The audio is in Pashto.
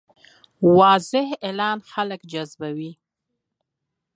واضح اعلان خلک جذبوي.